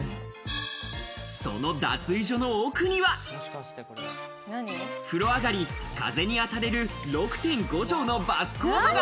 その脱衣所の奥には、風呂上り、風に当たれる、６．５帖のバスコートが。